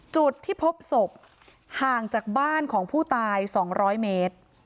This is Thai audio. จุดที่พบศพห่างจากบ้านของผู้ตาย๒๐๐เมตร